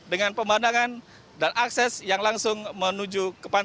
dengan pemandangan dan akses yang langsung menunjukkan